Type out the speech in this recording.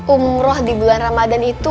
umroh di bulan ramadan itu